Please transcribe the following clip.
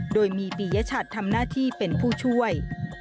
โดยมีปียชัดทำหน้าที่เป็นผู้ช่วย